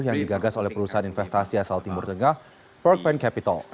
yang digagas oleh perusahaan investasi asal timur tengah perk pen capital